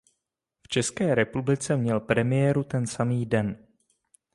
V České republice měl premiéru ten samý den.